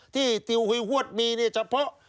ที่ติวหุยฮวดมีเฉพาะ